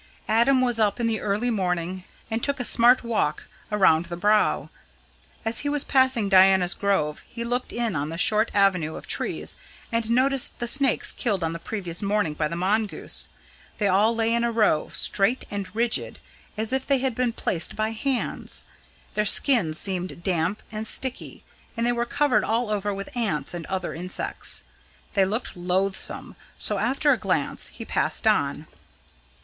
Adam was up in the early morning and took a smart walk round the Brow. As he was passing Diana's Grove, he looked in on the short avenue of trees, and noticed the snakes killed on the previous morning by the mongoose. They all lay in a row, straight and rigid, as if they had been placed by hands. Their skins seemed damp and sticky, and they were covered all over with ants and other insects. They looked loathsome, so after a glance, he passed on.